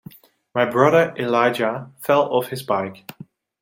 My brother Elijah fell off his bike.